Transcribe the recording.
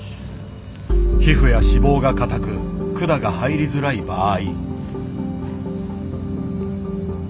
皮膚や脂肪が硬く管が入りづらい場合。